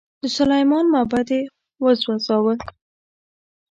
د سلیمان معبد یې وسوځاوه.